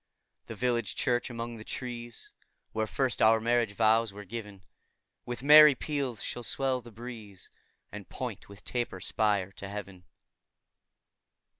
The village church, among the trees, Where first our marriage vows were giv'n, With merry peals shall swell the breeze, And point with taper spire to heav'n.